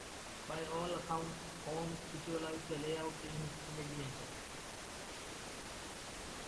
By all accounts, Holmes visualised the layout in his imagination.